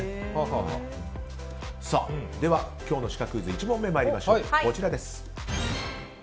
では、今日のシカクイズ１問目に参りましょう。